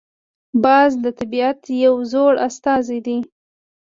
باز د طبیعت یو زړور استازی دی